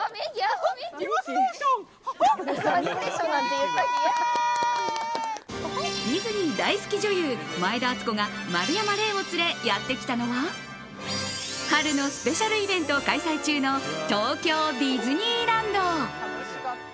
ディズニー大好き女優前田敦子が丸山礼を連れ、やってきたのは春のスペシャルイベント開催中の東京ディズニーランド。